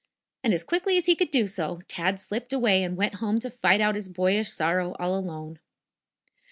And, as quickly as he could do so, Tad slipped away and went home to fight out his boyish sorrow all alone.